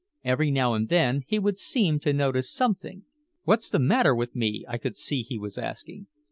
Every now and then he would seem to notice something. 'What's the matter with me?' I could see he was asking.